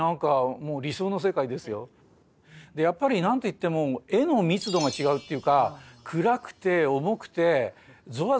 やっぱり何て言っても絵の密度が違うっていうか暗くて重くてぞわぞわするんですね。